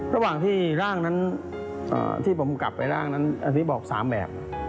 ระหว่างที่ร่างนั้นที่ผมกลับไปร่างนั้นอันนี้บอก๓แบบ